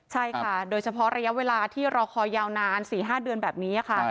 ใช่ค่ะโดยเฉพาะระยะเวลาที่รอคอยยาวนาน๔๕เดือนแบบนี้ค่ะ